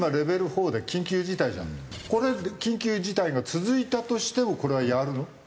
これ緊急事態が続いたとしてもこれはやるの？